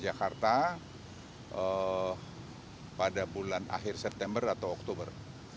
jakarta pada bulan akhir september atau oktober